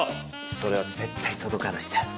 それは絶対届かないんだよ。